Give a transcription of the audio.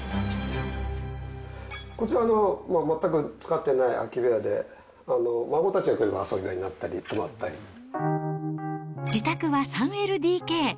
こちらの全く使ってない空き部屋で、孫たちが来れば遊び場に自宅は３ＬＤＫ。